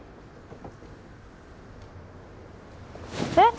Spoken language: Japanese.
えっ？